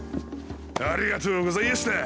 ありがとうございやした。